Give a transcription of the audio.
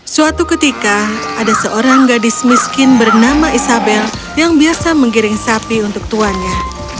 suatu ketika ada seorang gadis miskin bernama isabel yang biasa menggiring sapi untuk tuannya